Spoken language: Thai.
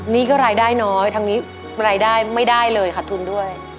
นี่ก็รายได้น้อยทั้งนี้รายได้ไม่ได้เลยขาดทุนด้วย